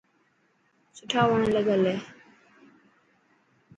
سوٺا وڻ لگل هي.